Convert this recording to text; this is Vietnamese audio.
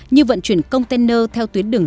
như vận chuyển container theo tuyến đường